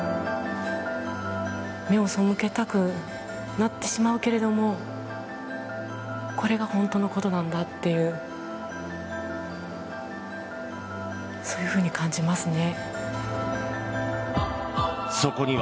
目を背けたくなってしまうけれどもこれが本当のことなんだっていうそういうふうに感じますね。